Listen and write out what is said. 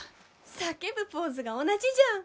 叫ぶポーズが同じじゃん！